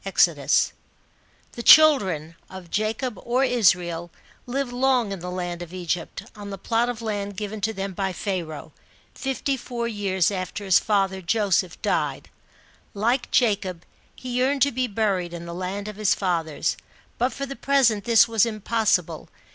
EXODUS iii. 8. THE children: of Jacob, or Israel, lived long in the land of Egypt, on the plot of land given to See chapter 2. B.O. 1635.] OPPRESSION OF CHILDREN OF ISRAEL. 25 them by Pharaoh. Fifty four years after his father, Joseph died. Like Jacob, he yearned to be buried in the land of his fathers, but for the present this was impossible.